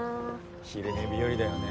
昼寝日和だよね。